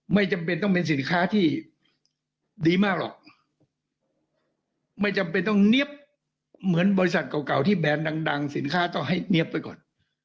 ไม่จำเป็นต้องเป็นสินค้าที่ดีมากหรอกไม่จำเป็นต้องเนี๊ยบเหมือนบริษัทเก่าที่แบรนด์ดังสินค้าต้องให้เนี๊ยบไปก่อน